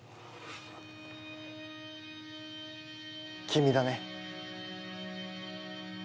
君だね。